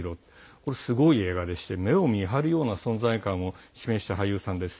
これ、すごい映画でして目をみはるような存在感を示した俳優さんです。